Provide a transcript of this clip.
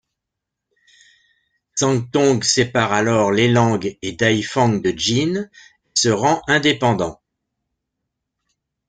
Zhang Tong sépare alors Lelang et Daifang de Jin et se rend indépendant.